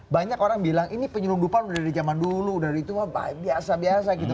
banyak orang bilang ini penyelundupan dari zaman dulu dari itu wah biasa biasa gitu